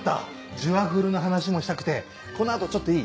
「ジュワフル」の話もしたくてこの後ちょっといい？